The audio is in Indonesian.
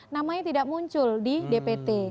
namanya tidak muncul di dpt